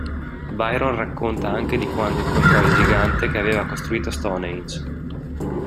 Byron racconta anche di quando incontrò il gigante che aveva costruito Stonehenge.